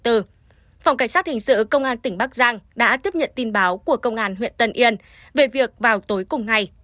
phòng cảnh sát hình sự công an tỉnh bắc giang đã tiếp nhận tin báo của công an huyện tân yên về việc vào tối cùng ngày